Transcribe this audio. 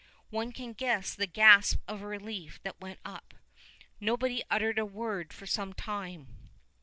One can guess the gasp of relief that went up. Nobody uttered a word for some time.